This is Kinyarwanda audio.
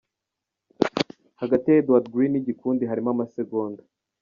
Hagati ya Edward Greene n'igikundi harimo amasegonda ".